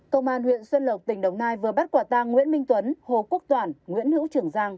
công an huyện xuân lộc tỉnh đồng nai vừa bắt quả tang nguyễn minh tuấn hồ quốc toản nguyễn hữu trường giang